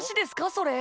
それ。